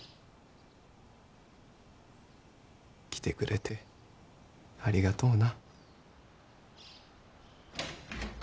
来てくれてありがとうな。